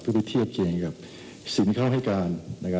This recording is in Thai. เพื่อพิเทียบเกียรติกับสินเขาให้การ